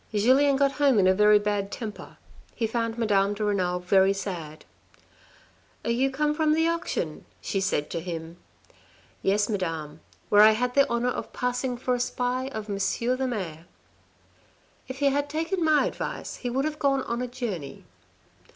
Julien got home in a very bad temper. He found Madame de Renal very sad. "You come from the auction ?" she said to him. " Yes, madam, where I had the honour of passing for a spy of M. the Mayor." " If he had taken my advice, he would have gone on a journey."